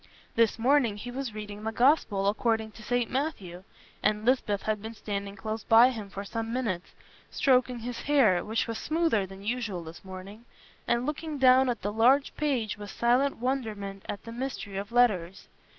This morning he was reading the Gospel according to St. Matthew, and Lisbeth had been standing close by him for some minutes, stroking his hair, which was smoother than usual this morning, and looking down at the large page with silent wonderment at the mystery of letters.